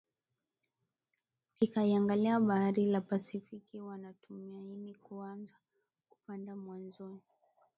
ikiangalia Bahari la Pasifiki Wanatumaini kuanza kupanda mwanzoni